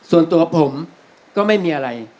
ส่วนตัวผมก็ไม่มีอะไร